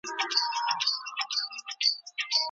که بريالي نسول.